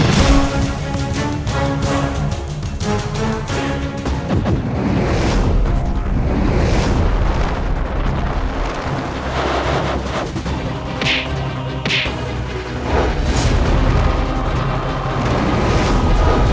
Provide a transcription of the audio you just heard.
jangan sakiti dia